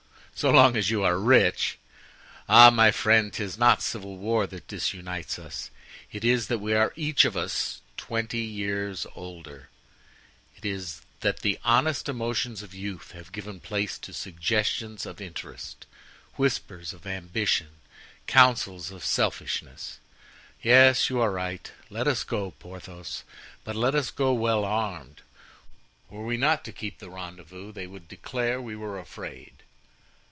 "So long as you are rich! Ah! my friend! 'tis not civil war that disunites us. It is that we are each of us twenty years older; it is that the honest emotions of youth have given place to suggestions of interest, whispers of ambition, counsels of selfishness. Yes, you are right; let us go, Porthos, but let us go well armed; were we not to keep the rendezvous, they would declare we were afraid.